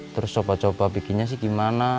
terus coba coba bikinnya sih gimana